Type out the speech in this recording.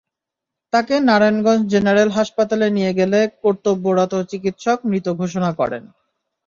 তাকে নারায়ণগঞ্জ জেনারেল হাসপাতালে নিয়ে গেলে কর্তব্যরত চিকিৎসক মৃত ঘোষণা করেন।